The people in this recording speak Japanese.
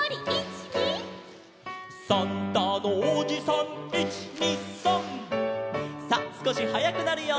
「サンタのおじさん１２３」さあすこしはやくなるよ！